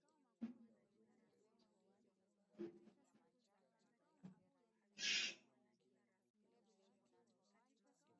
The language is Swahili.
aa unaweza ukalinganisha vipi ligi hizi mbili kocha